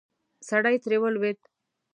سړی ترې ولوېد.